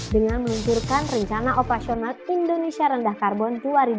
dengan meluncurkan rencana operasional indonesia rendah karbon dua ribu dua puluh